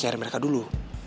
nyari mereka dulu